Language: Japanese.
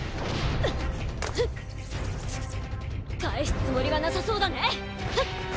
返すつもりはなさそうだねフッ！